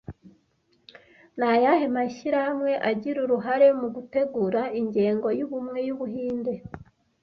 Ni ayahe mashyirahamwe agira uruhare mu gutegura Ingengo y’Ubumwe y’Ubuhinde